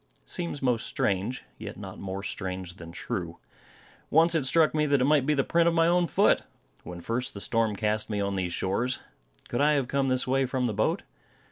It seems most strange; yet not more strange than true. Once it struck me that it might be the print of my own foot, when first the storm cast me on these shores. Could I have come this way from the boat?